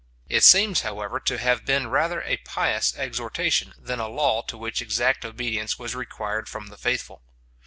It seems, however, to have been rather a pious exhortation, than a law to which exact obedience was required from the faithful.